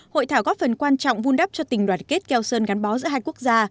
hội thảo góp phần quan trọng vun đắp cho tình đoàn kết keo sơn gắn bó giữa hai quốc gia